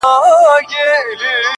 مُلا پاچا وي چړي وزیر وي -